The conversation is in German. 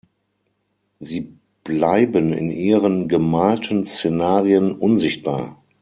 Sie bleiben in ihren gemalten Szenarien unsichtbar.